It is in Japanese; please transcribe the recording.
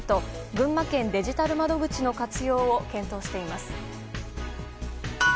群馬県デジタル窓口の活用を検討しています。